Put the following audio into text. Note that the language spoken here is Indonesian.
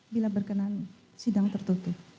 bila berkenan sidang tertutup